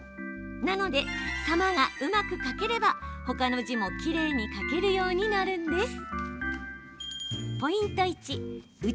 なので「様」がうまく書ければほかの字もきれいに書けるようになるんです。